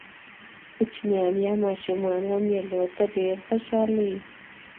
کوچنيان يا ماشومان و مېلو ډېر ته ډېر خوشحاله يي.